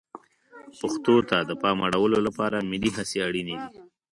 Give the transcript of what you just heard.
پښتو ته د پام اړولو لپاره ملي هڅې اړینې دي.